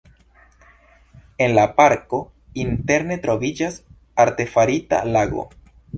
En la parko interne troviĝas artefarita lago.